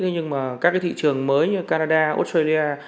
nhưng các thị trường mới như canada australia